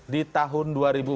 di tahun dua ribu empat belas